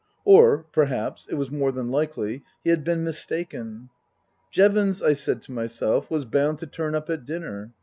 Or perhaps it was more than likely he had been mistaken. Jevons, I said to myself, was bound to turn up at dinner.